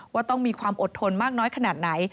ว่าต้องมีความอดทนมากน้อยขนาดไหน